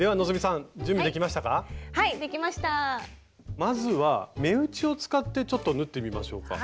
まずは目打ちを使ってちょっと縫ってみましょうか。